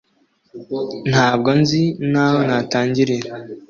Ntabwo nzi n'aho natangirira